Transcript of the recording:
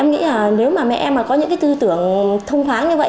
em nghĩ là nếu mà mẹ em có những tư tưởng thông thoáng như vậy